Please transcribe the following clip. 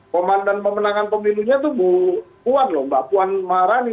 komandan pemenangan pemilunya itu bu puan loh mbak puan maharani